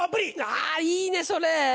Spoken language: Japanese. あいいねそれ！